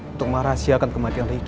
untuk merahsiakan kematian ricky